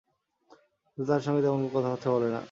কিন্তু তাঁর সঙ্গে তেমন কোনো কথাবার্তা বলে না।